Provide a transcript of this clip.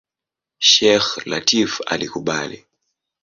Sheikh Lateef alikubali.